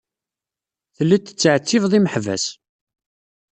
Telliḍ tettɛettibeḍ imeḥbas.